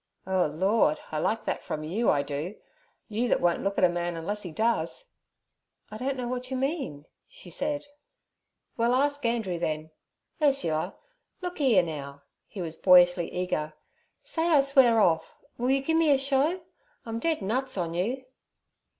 'Oh Lord! I like that from you, I do. You that won't look at a man unless he does.' 'I don't know what you mean' she said. 'Well, ask Andrew, then. Ursula, look 'ere, now' he was boyishly eager. 'Say I swear off, will you give me a show? I'm dead nuts on you.'